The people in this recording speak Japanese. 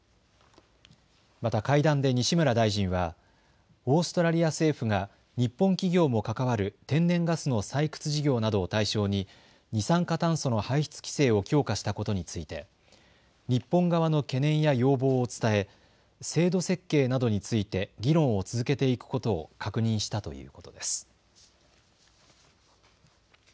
また会談で西村大臣はオーストラリア政府が日本企業も関わる天然ガスの採掘事業などを対象に二酸化炭素の排出規制を強化したことについて日本側の懸念や要望を伝え制度設計などについて議論を続けていくことを確認したということです。